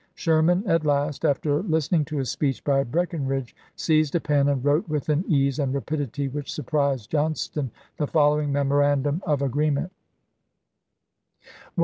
Sherman at last — after listening to a speech by Breckinridge, seized a pen and wrote with an ease and rapidity which surprised Johnston the following memorandum of agree ment :— "1.